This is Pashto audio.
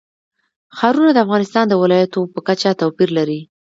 ښارونه د افغانستان د ولایاتو په کچه توپیر لري.